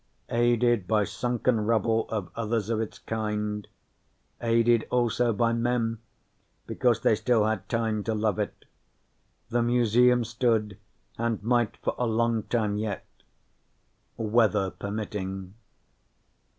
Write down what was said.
Aided by sunken rubble of others of its kind, aided also by men because they still had time to love it, the Museum stood, and might for a long time yet weather permitting.